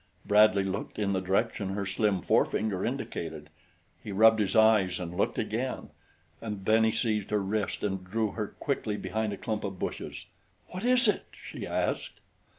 Bradley looked in the direction her slim forefinger indicated. He rubbed his eyes and looked again, and then he seized her wrist and drew her quickly behind a clump of bushes. "What is it?" she asked.